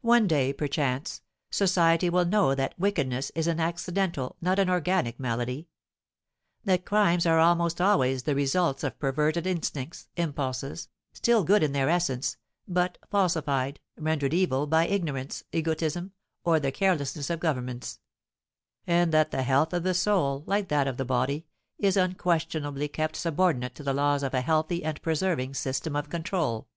One day, perchance, society will know that wickedness is an accidental, not an organic malady; that crimes are almost always the results of perverted instincts, impulses, still good in their essence, but falsified, rendered evil, by ignorance, egotism, or the carelessness of governments; and that the health of the soul, like that of the body, is unquestionably kept subordinate to the laws of a healthy and preserving system of control.